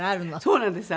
そうなんです。